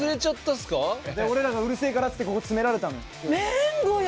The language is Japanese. で俺らがうるせえからっつってここ詰められたのよ。